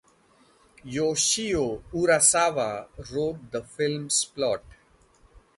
Yoshio Urasawa wrote the film's plot.